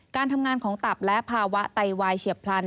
การทำงานของตับและภาวะไตวายเฉียบพลัน